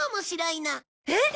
えっ！